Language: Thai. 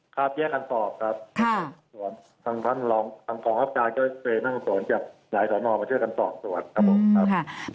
ครับแยกการสอบครับทางพร้อมอัพจารย์ก็ไปนั่งสวนจากหลายสวนมองมาเชื่อกันสอบสวนครับผม